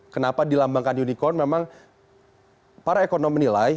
kenapa dilambangkan unicorn memang para ekonom menilai